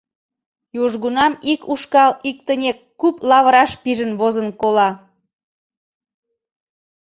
Южгунам ик ушкал иктынек куп лавыраш пижын возын кола.